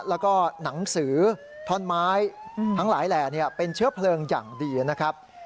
แล้วก็หนังสือท่อนไม้ทั้งหลายแหล่เป็นเชื้อเพลิงอย่างดีนะครับ